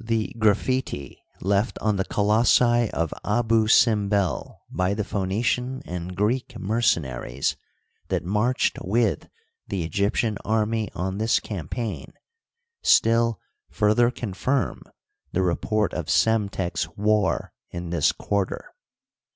Thtgrajitt left on the colossi of Abu Simbel by the Phoe nician and Greek mercenaries that marched with the Egyptian army on this campaign, still further confirm the report of Psemtek's war in this quarter.